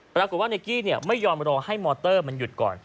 ปรากฏว่าในกี้ไม่ยอมรอให้มอเตอร์มันหยุดก่อน